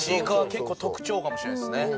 結構特徴かもしれないですね。